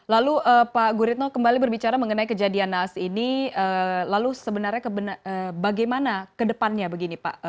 lalu pak guritno kembali berbicara mengenai kejadian naas ini lalu sebenarnya bagaimana kedepannya begini pak